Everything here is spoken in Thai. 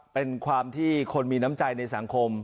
เป็นความที่คนมีน้ำใจในสังคม